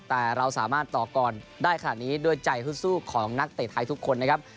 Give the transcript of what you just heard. แต่เราสามารถต่อกรได้ขนาดนี้ด้วยใจฮึดสู้ของนักเตะไทยทุกคนนะครับ